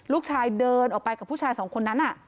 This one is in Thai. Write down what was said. ลูกชายเดินออกไปกับผู้ชายสองคนนั้น